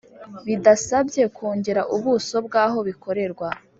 bidasabye kongera ubuso bw'aho bikorerwa,